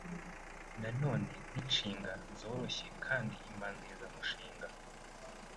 nanone nkinshinga zoroshye kandi imbanzirizamushinga